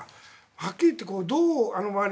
はっきり言ってどう、あの周り